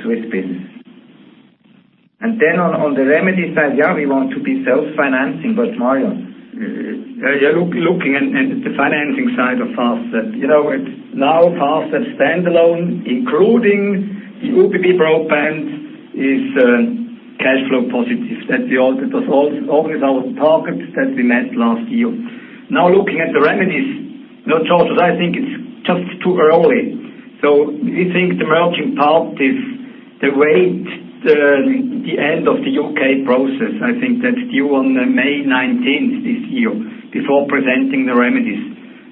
Swiss business. On the remedy side, we want to be self-financing. Mario. Looking at the financing side of Fastweb. Fastweb standalone, including the UBB broadband, is cash flow positive. That was always our target that we met last year. Looking at the remedies. Georges, I think it's just too early. We think the merging part is to wait the end of the U.K. process. I think that's due on May 19th this year before presenting the remedies.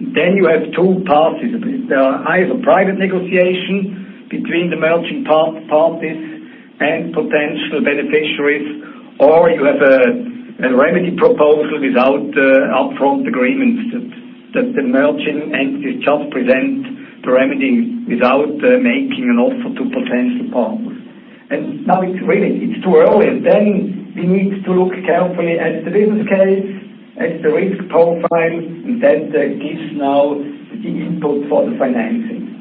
You have two parties. There are either private negotiation between the merging parties and potential beneficiaries, or you have a remedy proposal without upfront agreements that the merging entity just present the remedy without making an offer to potential partners. It's really too early. We need to look carefully at the business case, at the risk profile, that gives now the input for the financing,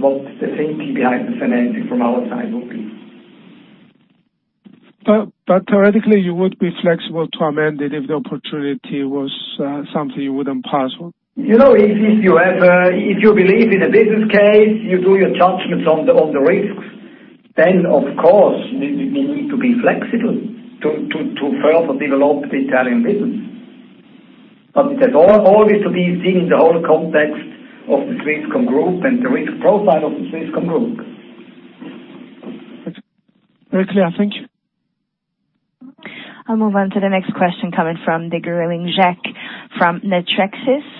what the thinking behind the financing from our side will be. Theoretically, you would be flexible to amend it if the opportunity was something you wouldn't pass on? You believe in the business case, you do your judgments on the risks, then of course, we need to be flexible to further develop the Italian business. It has always to be seen in the whole context of the Swisscom Group and the risk profile of the Swisscom Group. That's very clear. Thank you. I'll move on to the next question coming from Jacques de Greling from Natixis. Thank you.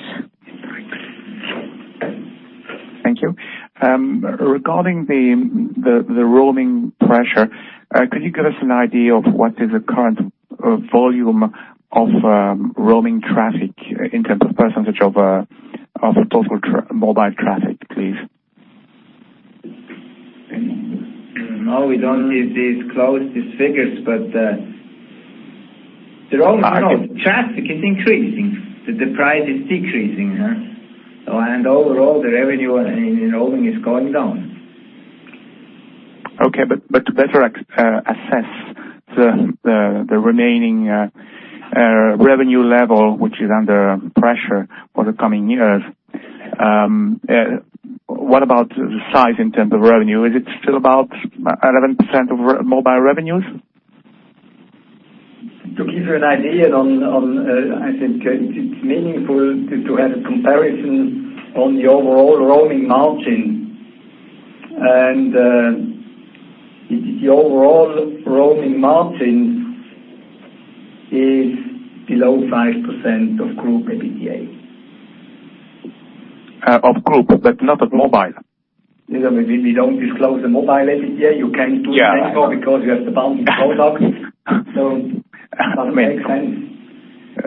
Regarding the roaming pressure, could you give us an idea of what is the current volume of roaming traffic in terms of percentage of total mobile traffic, please? No, we don't give these close figures, the roaming traffic is increasing. The price is decreasing. Overall, the revenue in roaming is going down. Okay. To better assess the remaining revenue level, which is under pressure for the coming years, what about the size in terms of revenue? Is it still about 11% of mobile revenues? To give you an idea on, I think it's meaningful to have a comparison on the overall roaming margin. The overall roaming margin is below 5% of group EBITDA. Of group, but not of mobile. We don't disclose the mobile EBITDA. You can do it. Yeah. Because you have the bounding products. Doesn't make sense.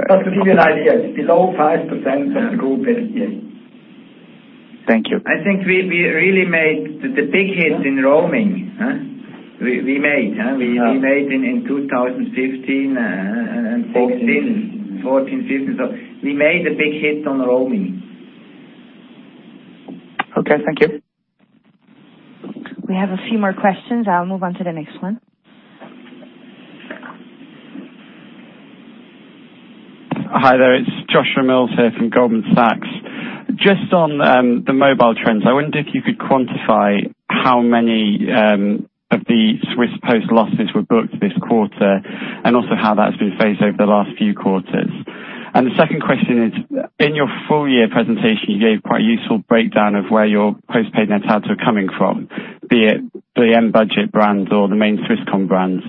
To give you an idea, it's below 5% of the group EBITDA. Thank you. I think we really made the big hit in roaming. We made in 2015 and 2016. 2014, 2015. We made a big hit on roaming. Okay, thank you. We have a few more questions. I'll move on to the next one. Hi there. It's Joshua Mills here from Goldman Sachs. Just on the mobile trends, I wonder if you could quantify how many of the Swiss Post losses were booked this quarter, and also how that's been phased over the last few quarters. The second question is, in your full year presentation, you gave quite a useful breakdown of where your postpaid net adds are coming from, be it the M-Budget brands or the main Swisscom brands.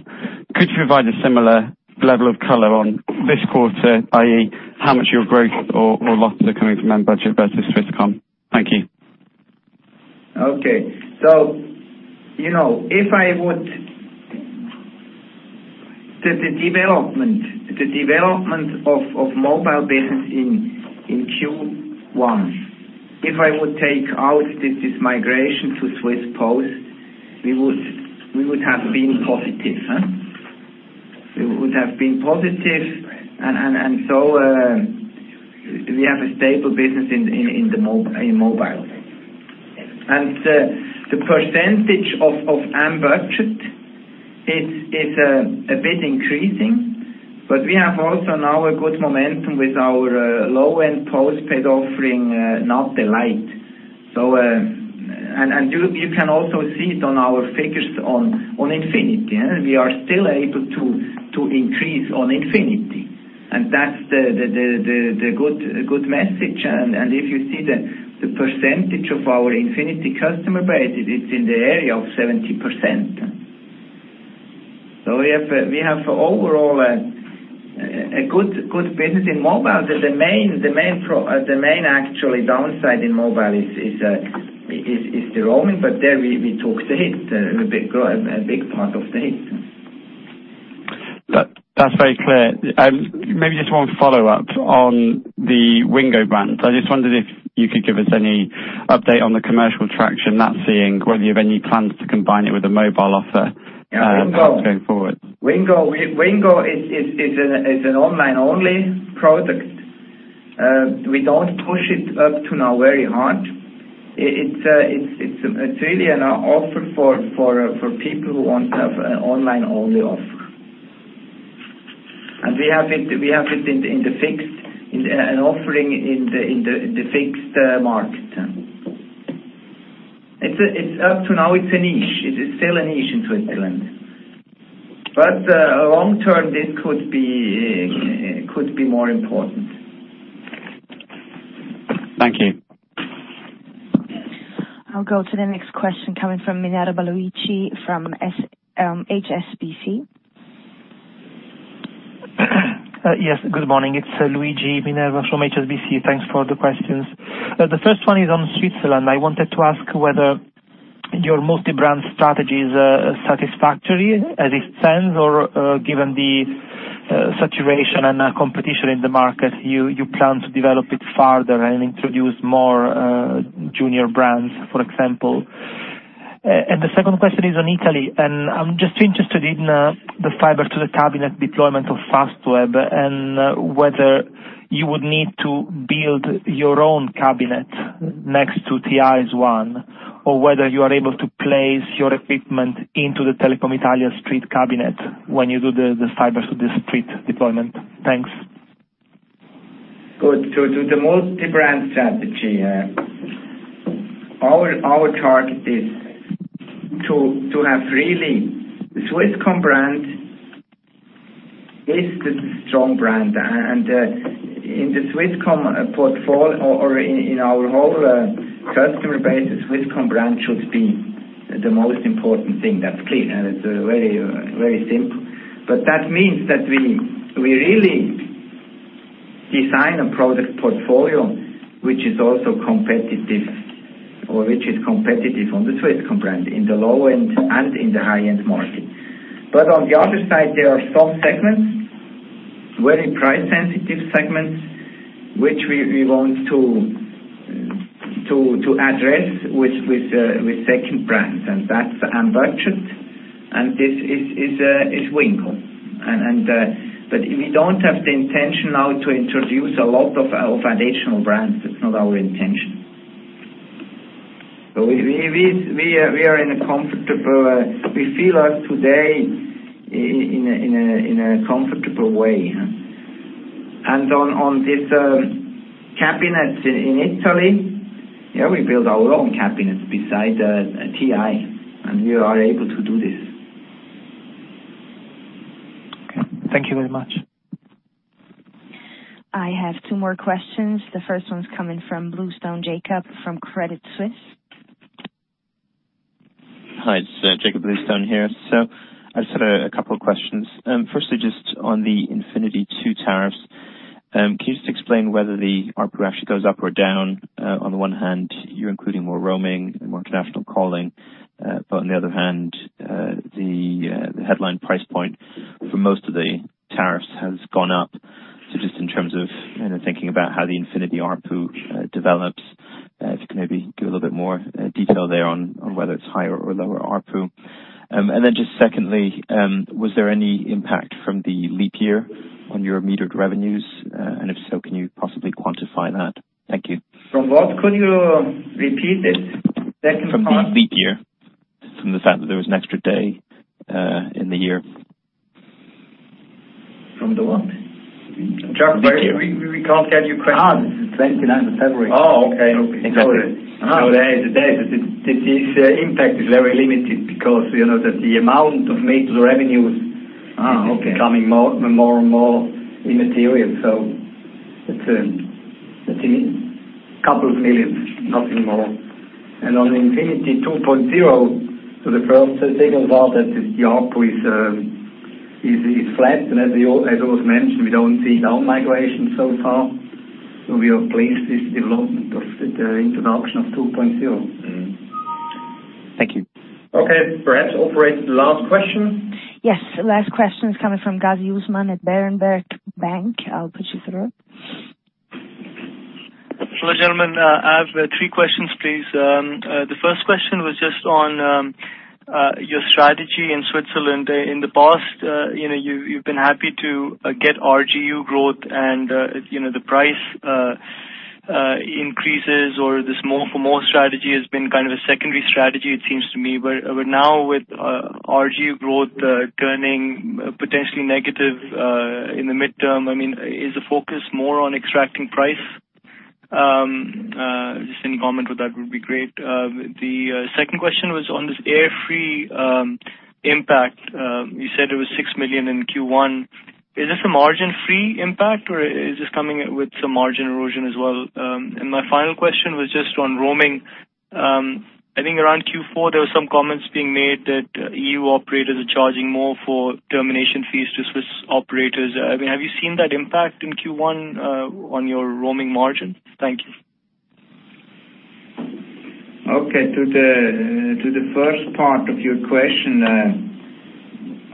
Could you provide a similar level of color on this quarter, i.e., how much your growth or losses are coming from M-Budget versus Swisscom? Thank you. Okay. The development of mobile business in Q1. If I would take out this migration to Swiss Post, we would have been positive. We would have been positive. We have a stable business in mobile. The percentage of M-Budget is a bit increasing, but we have also now a good momentum with our low-end postpaid offering, NATEL light. You can also see it on our figures on Infinity. We are still able to increase on Infinity. That's the good message. If you see the percentage of our Infinity customer base, it's in the area of 70%. We have overall a good business in mobile. The main actually downside in mobile is the roaming, but there we took the hit, a big part of the hit. That's very clear. Maybe just one follow-up on the Wingo brand. I just wondered if you could give us any update on the commercial traction that's seeing, whether you have any plans to combine it with a mobile offer going forward. Wingo is an online-only product. We don't push it up to now very hard. It's really an offer for people who want to have an online-only offer. We have it in an offering in the fixed market. Up to now, it's a niche. It is still a niche in Switzerland. Long term, this could be more important. Thank you. I'll go to the next question coming from Luigi Minerva from HSBC. Yes, good morning. It's Luigi Minerva from HSBC. Thanks for the questions. The first one is on Switzerland. I wanted to ask whether your multi-brand strategy is satisfactory as it stands or, given the saturation and competition in the market, you plan to develop it further and introduce more junior brands, for example. The second question is on Italy, and I'm just interested in the fiber to the cabinet deployment of Fastweb and whether you would need to build your own cabinet next to TI's one, or whether you are able to place your equipment into the Telecom Italia street cabinet when you do the Fiber to the Street deployment. Thanks. Good. To the multi-brand strategy. Our target is to have really the Swisscom brand is the strong brand, and in the Swisscom portfolio or in our whole customer base, the Swisscom brand should be the most important thing. That's clear, and it's very simple. But that means that we really design a product portfolio which is also competitive or which is competitive on the Swisscom brand in the low-end and in the high-end market. But on the other side, there are soft segments, very price sensitive segments, which we want to address with second brands. That's M-Budget and this is Wingo. We don't have the intention now to introduce a lot of additional brands. That's not our intention. We feel as of today in a comfortable way. On this cabinet in Italy, yeah, we build our own cabinets beside TI, and we are able to do this. Okay. Thank you very much. I have two more questions. The first one's coming from Jakob Bluestone from Credit Suisse. Hi, it's Jakob Bluestone here. I just had a couple of questions. Firstly, just on the Infinity 2 tariffs, can you just explain whether the ARPU actually goes up or down? On the one hand, you're including more roaming and more international calling. On the other hand, the headline price point for most of the tariffs has gone up. Just in terms of thinking about how the Infinity ARPU develops, if you can maybe give a little bit more detail there on whether it's higher or lower ARPU. Then just secondly, was there any impact from the leap year on your metered revenues? If so, can you possibly quantify that? Thank you. From what? Could you repeat it, second part? From the leap year. From the fact that there was an extra day in the year. From the what? Jakob, we can't hear your question. It's the 29th of February. Oh, okay. Exactly. This impact is very limited because the amount of metered revenue- Oh, okay. The amount of metered revenue is becoming more and more immaterial. It is a couple of million CHF, nothing more. On Infinity 2.0, the first signals are that the ARPU is flat, and as was mentioned, we don't see down migration so far. We have placed this development of the introduction of 2.0. Thank you. Okay. Perhaps operator, the last question. Yes, last question is coming from Usman Ghazi at Berenberg Bank. I'll put you through. Hello, gentlemen. I have 3 questions, please. The first question was just on your strategy in Switzerland. In the past, you've been happy to get RGU growth and the price increases or this more for more strategy has been a secondary strategy it seems to me. Now with RGU growth turning potentially negative in the midterm, is the focus more on extracting price? Just any comment with that would be great. The second question was on this airfree impact. You said it was 6 million in Q1. Is this a full margin impact or is this coming with some margin erosion as well? My final question was just on roaming. I think around Q4, there were some comments being made that EU operators are charging more for termination fees to Swiss operators. Have you seen that impact in Q1 on your roaming margins? Thank you. Okay. To the first part of your question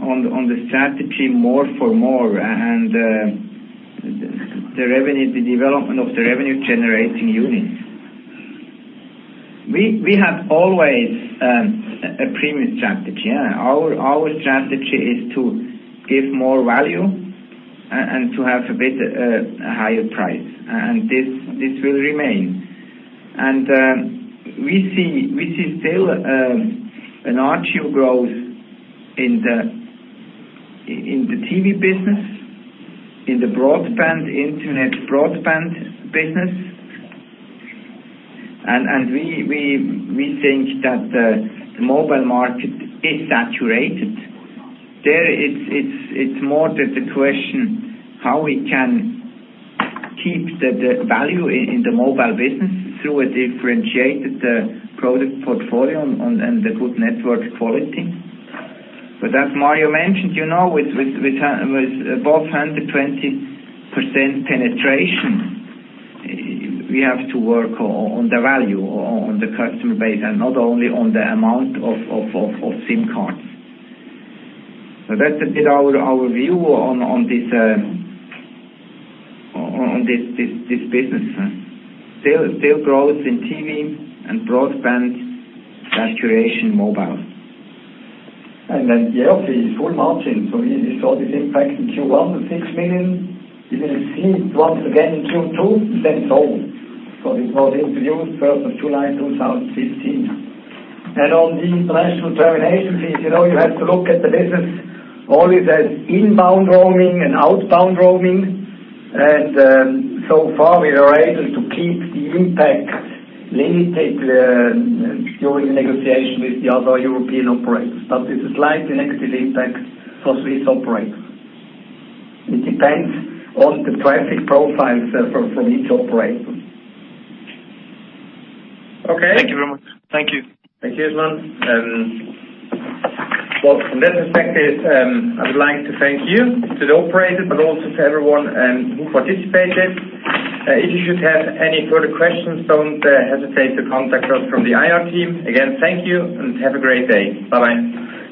on the strategy more for more and the development of the revenue generating unit. We have always a premium strategy. Our strategy is to give more value and to have a bit higher price. This will remain. We see still an RGU growth in the TV business, in the broadband internet, broadband business. We think that the mobile market is saturated. There, it's more that the question how we can keep the value in the mobile business through a differentiated product portfolio and the good network quality. But as Mario Rossi mentioned, with both under 20% penetration, we have to work on the value on the customer base and not only on the amount of SIM cards. That's a bit our view on this business. Still growth in TV and broadband, saturation mobile. The airfree is full margin. You saw this impact in Q1, the 6 million. You will see it once again in Q2, then it's all. This was introduced 1st of July 2016. On the international termination fees, you have to look at the business always as inbound roaming and outbound roaming. So far, we are able to keep the impact limited during negotiation with the other European operators. But it's a slightly negative impact for Swiss operators. It depends on the traffic profiles from each operator. Okay. Thank you very much. Thank you. Thank you, Usman. Well, from this perspective, I would like to thank you, to the operator, but also to everyone who participated. If you should have any further questions, don't hesitate to contact us from the IR team. Again, thank you, and have a great day. Bye-bye.